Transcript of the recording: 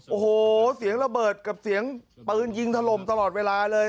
โอ้โหเสียงระเบิดกับเสียงปืนยิงถล่มตลอดเวลาเลย